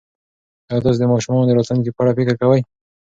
ایا تاسي د ماشومانو د راتلونکي په اړه فکر کوئ؟